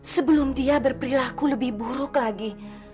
sebelum dia berperilaku lebih buruk lagi